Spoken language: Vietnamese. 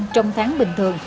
trong tháng bình thường